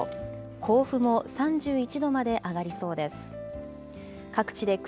甲府も３１度まで上がりそうです。